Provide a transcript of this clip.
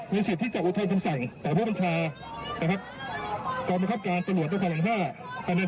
มีสิทธิจากอุทธนชมสั่งต่อผู้บัญชากรรมครับการตรวจทางความห้ามห้า